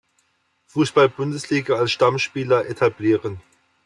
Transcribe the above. Fußball-Bundesliga als Stammspieler etablieren.